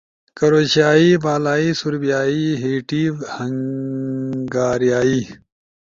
کرشیائی، بالائی سوربیائی، ہیٹی، ہنگاریائی